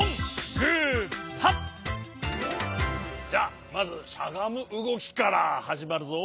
じゃまずしゃがむうごきからはじまるぞ。